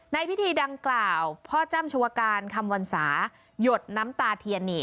ในพิธีดังกล่าวพ่อจ้ำชวการคำวรรษาหยดน้ำตาเทียนนี่